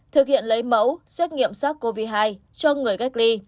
thực hiện lấy mẫu xét nghiệm sars cov hai cho người cách ly